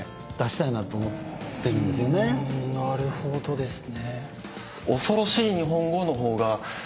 なるほどですね。